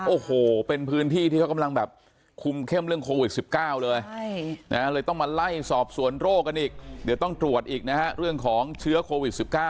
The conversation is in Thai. โอ้โหเป็นพื้นที่ที่เขากำลังแบบคุมเข้มเรื่องโควิด๑๙เลยเลยต้องมาไล่สอบสวนโรคกันอีกเดี๋ยวต้องตรวจอีกนะฮะเรื่องของเชื้อโควิด๑๙